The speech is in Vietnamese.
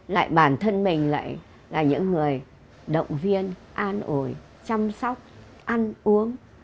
lại bản thân mình lại là những người động viên an ổi chăm sóc ăn uống